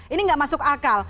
ini tidak masuk akal